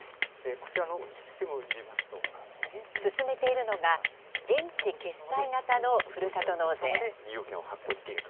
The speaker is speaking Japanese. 進めているのが現地決済型のふるさと納税。